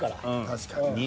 確かに。